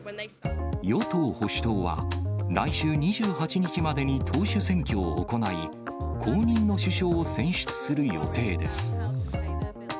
与党・保守党は、来週２８日までに党首選挙を行い、後任の首相を選出する予定です。